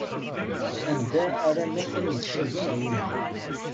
Anda ara naf win yettcabin ar winna?